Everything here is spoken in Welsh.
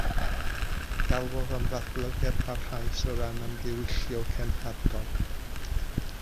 Galwodd am ddatblygiad parhaus o ran ymddiwyllio cenhadol.